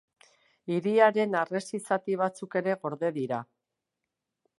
Hiriaren harresi zati batzuk ere gorde dira.